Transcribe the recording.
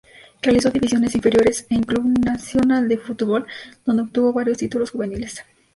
Realizó divisiones inferiores en Club Nacional de Football, donde obtuvo varios títulos juveniles.